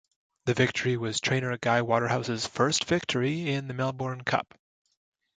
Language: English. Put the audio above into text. The victory was trainer Gai Waterhouse's first victory in the Melbourne Cup.